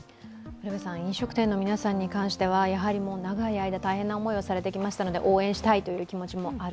飲食店の皆さんに関しては長い間大変な思いをされてきましたので応援したいという気持ちもある。